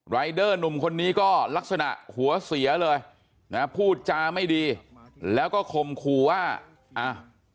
รายเดอร์หนุ่มคนนี้ก็ลักษณะหัวเสียเลยนะพูดจาไม่ดีแล้วก็ข่มขู่ว่าอ้าว